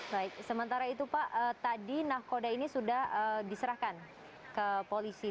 baik sementara itu pak tadi nahkoda ini sudah diserahkan ke polisi